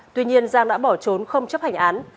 tuy nhiên giang đã bỏ trốn không chấp hành án